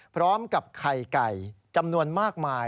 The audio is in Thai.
พร้อมกับไข่ไก่จำนวนมากมาย